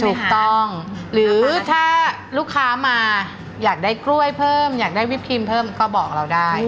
ถูกต้องหรือถ้าลูกค้ามาอยากได้กล้วยเพิ่มอยากได้วิปครีมเพิ่มก็บอกเราได้